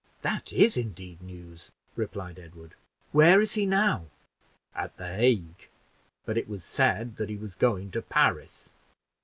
"That is indeed news," replied Edward. "Where is he now?" "At the Hague; but it was said that he was going to Paris."